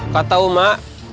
kau tahu mak